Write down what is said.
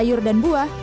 sayur dan buah